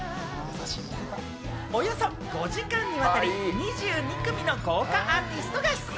およそ５時間にわたり２２組の豪華アーティストが出演。